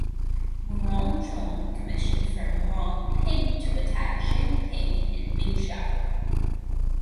Murong Jun commissioned for Murong Ping to attack Zhang Ping in Bingzhou.